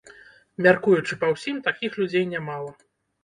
Мяркуючы па ўсім, такіх людзей нямала.